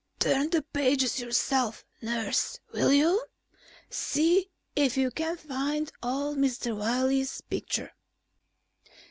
"Turn the pages yourself, nurse, will you? See if you can find old Mr. Wiley's picture."